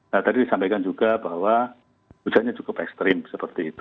nah tadi disampaikan juga bahwa hujannya cukup ekstrim seperti itu